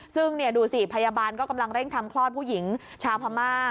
ซึ่งดูสิพยาบาลก็กำลังเร่งทำคลอดผู้หญิงชาวพม่า